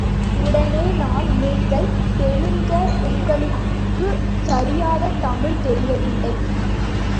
உடனே நான் நீங்கள் தெலுங்கர், உங்களுக்குச் சரியாகத் தமிழ் தெரியவில்லை.